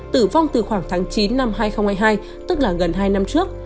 tử vong từ khoảng tháng chín năm hai nghìn hai mươi hai tức là gần hai năm trước